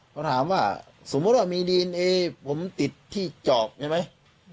เขาถามว่าสมมุติว่ามีดีลผมติดที่จอบเห็นไหม